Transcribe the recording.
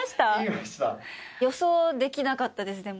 予想できなかったです、でも。